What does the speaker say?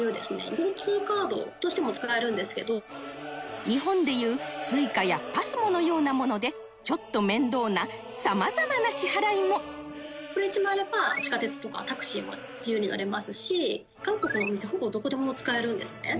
交通カードとしても使えるんですけど日本でいうＳｕｉｃａやＰＡＳＭＯのようなものでちょっと面倒なさまざまな支払いもこれ１枚あれば地下鉄とかタクシーも自由に乗れますし韓国のお店ほぼどこでも使えるんですね